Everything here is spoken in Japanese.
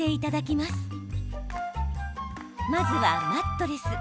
まずは、マットレス。